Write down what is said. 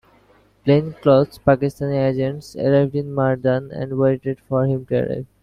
Plainclothes Pakistani agents arrived in Mardan and waited for him to arrive.